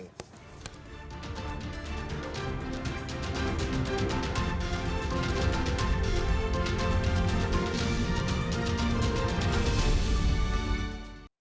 oke oke di setelah ini